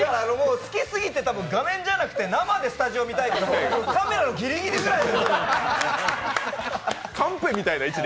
もう好きすぎて画面じゃなくてスタジオで見たいからカメラのギリギリぐらいで。